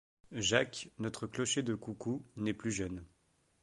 Jacques, notre cocher de coucou, n’est plus jeune.